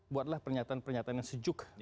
buatlah pernyataan pernyataan yang sejuk